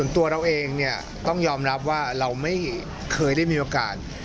ตัวเราเองต้องยอมรับว่าเราไม่เคยได้มีโอกาส